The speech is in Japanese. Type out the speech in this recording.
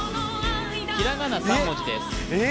ひらがな３文字ですえっ？